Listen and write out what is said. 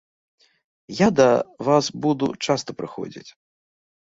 Яда вас буду часта прыходзіць!